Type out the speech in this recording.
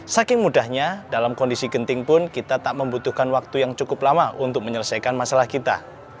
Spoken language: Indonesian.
saking mudahnya dalam kondisi genting pun kita tak membutuhkan waktu yang cukup lama untuk menyelesaikan masalah kita